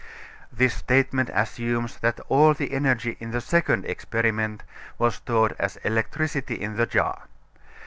This statement assumes that all the energy in the second experiment was stored as electricity in the jar.